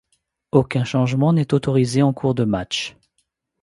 Aucun changement n'est autorisé en cours de match.